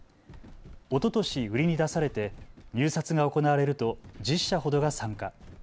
おととし売りに出されて入札が行われると１０社ほどが参加。